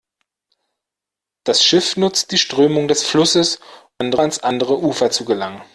Das Schiff nutzt die Strömung des Flusses, um ans andere Ufer zu gelangen.